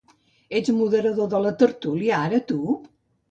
Ets moderador de la tertúlia, ara, tu?